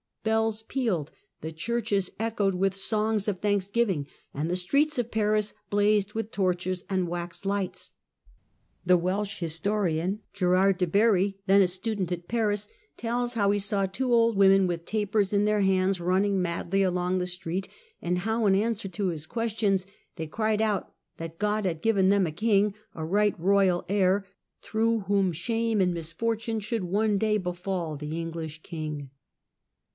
Bells pealed, the churches echoed with songs of thanksgiving, and the streets of Paris blazed with torches and wax lights. The Welsh historian, Gerald de Barry, then a student at Paris, tells how he saw two old women with tapers in their hands running madly along the street, and how, in answer to his questions, they cried out that God had given them a king, " a right royal heir," through whom shame and misfortune should one day befall the English king.